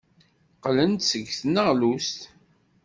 Qqlen-d seg tneɣlust.